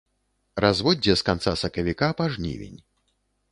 Разводдзе з канца сакавіка па жнівень.